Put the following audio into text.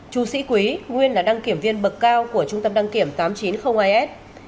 chu sĩ quý nguyên là đăng kiểm viên bậc cao của trung tâm đăng kiểm tám nghìn chín trăm linh hai s